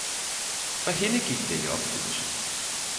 For hende gik det i opfyldelse